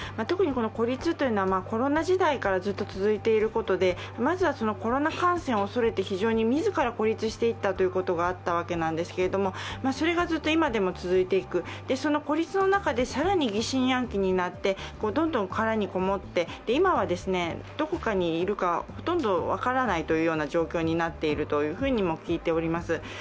特に孤立というのはコロナ時代からずっと続いていることで、まずはコロナ感染を恐れて自ら孤立していったということがあったわけなんですけれども、それがずっと今でも続いていく、孤立の中で更に疑心暗鬼になってどんどん殻に籠もって、今はどこにいるかほとんど分からないという状況になっているとも聞いております。